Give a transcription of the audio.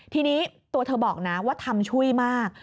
ทีนี้ตัวเธอบอกนะว่าทำช่วยมาก